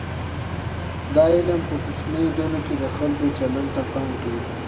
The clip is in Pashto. دا علم په کوچنیو ډلو کې د خلګو چلند ته پام کوي.